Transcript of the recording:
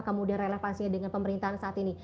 kemudian relevansinya dengan pemerintahan saat ini